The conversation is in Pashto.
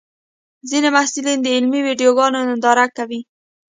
ځینې محصلین د علمي ویډیوګانو ننداره کوي.